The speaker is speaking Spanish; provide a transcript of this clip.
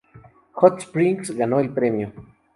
Hot Springs ganó el premio.